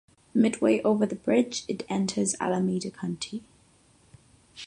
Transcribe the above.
Midway over the bridge, it enters Alameda County.